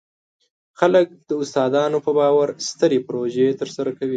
خلک د داستانونو په باور سترې پروژې ترسره کوي.